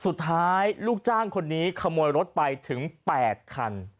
สุดท้ายลูกจ้างคนนี้ขโมยรถไปถึง๘คัน